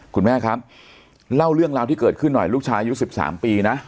คุณแม่ครับเล่าเรื่องราวที่เกิดขึ้นหน่อยลูกชายอายุ๑๓ปีนะ